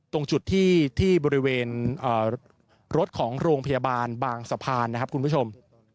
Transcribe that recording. ตรงจุดที่บริเวณรถของโรงพยาบาลบางสะพานนะครับคุณผู้ชม